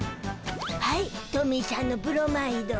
はいトミーしゃんのブロマイド。